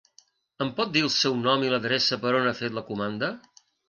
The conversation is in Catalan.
Em pot dir el seu nom i l'adreça per on ha fet la comanda?